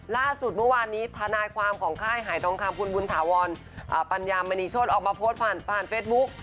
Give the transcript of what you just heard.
ล่าสุดเมื่อวานนี้ทนายความของค่ายหายทองคำคุณบุญถาวรปัญญามณีโชธออกมาโพสต์ผ่านผ่านเฟซบุ๊ค